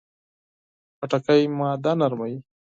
خټکی معده نرموي.